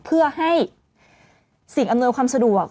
เพื่อให้สิ่งอำนวยความสะดวก